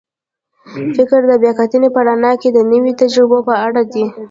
فکر د بیا کتنې په رڼا کې د نویو تجربو په اړه دی.